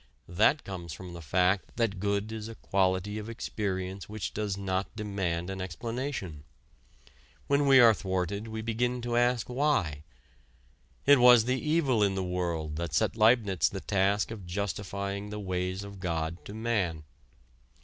That comes from the fact that good is a quality of experience which does not demand an explanation. When we are thwarted we begin to ask why. It was the evil in the world that set Leibniz the task of justifying the ways of God to man.